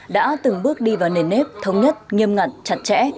đã từng bước đi vào nền nếp thống nhất nghiêm ngặt chặt chẽ